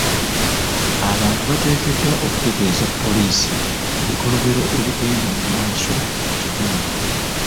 Abantu bateekeddwa okutegeeza poliisi ku bikolobero ebigenda mu maaso mu kitundu .